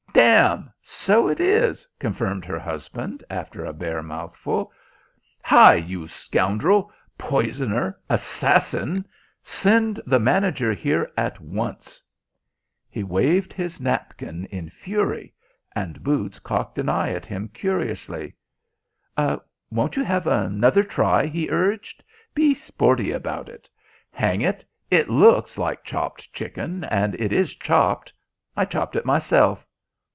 "Damme, so it is!" confirmed her husband, after a bare mouthful. "Hi, you scoundrel, poisoner, assassin send the manager here at once." He waved his napkin in fury, and boots cocked an eye at him curiously. "Won't you have another try?" he urged. "Be sporty about it. Hang it, it looks like chopped chicken, and it is chopped. I chopped it myself.